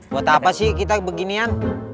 buat apa sih kita beginian